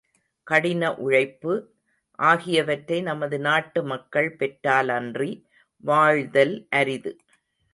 கடின உழைப்பு, ஆகியவற்றை நமது நாட்டு மக்கள் பெற்றாலன்றி வாழ்தல் அரிது.